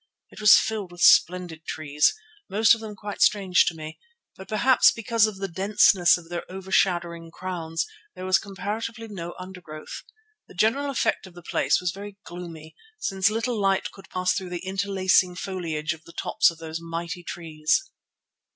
It was filled with splendid trees, most of them quite strange to me, but perhaps because of the denseness of their overshadowing crowns there was comparatively no undergrowth. The general effect of the place was very gloomy, since little light could pass through the interlacing foliage of the tops of those mighty trees.